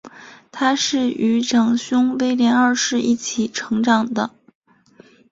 她是与长兄威廉二世一起成长的。